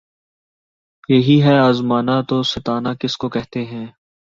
یہی ہے آزمانا‘ تو ستانا کس کو کہتے ہیں!